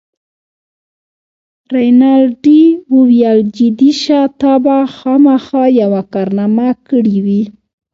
رینالډي وویل: جدي شه، تا به خامخا یوه کارنامه کړې وي.